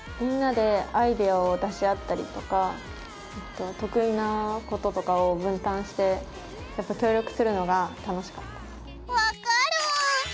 みんなでアイデアを出し合ったりとか得意なこととかを分担して協力するのが楽しかったです。